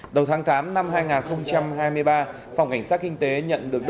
đầu tháng tám năm hai nghìn hai mươi ba phòng cảnh sát kinh tế nhận được đơn trình báo